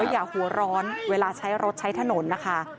อย่าหัวร้อนเวลาใช้รถใช้ถนนนะคะ